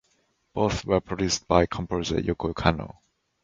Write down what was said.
Both were produced by composer Yoko Kanno.